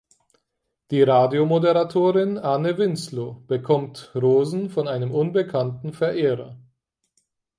Die Radiomoderatorin Anne Winslow bekommt Rosen von einem unbekannten Verehrer.